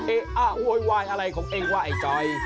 เอ๊วีววายอะไรครับอั้ยจอย